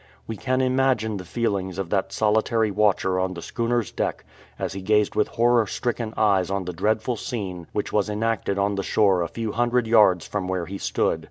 We can imagine the feelings of that solitary watcher on the schooner"'s deck as he gazed with horror stricken eyes on the dreadful scene which was enacted on the shore a few hundred yards from where he stood.